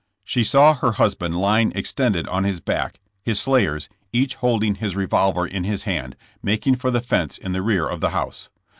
She saw her husband lying extended ^ his back, his slayers, each holding his revolver ih his hand, making for the fence in the rear of the house.